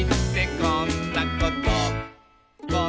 「こんなこと」